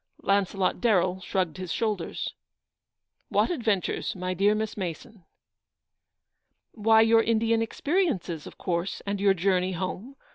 Launcelot Darrell shrugged his shoulders. 294 ELEANOR'S VICTORY. " What adventures, my dear Miss Mason ?"" Why, your Indian experiences, of course, and your journey home.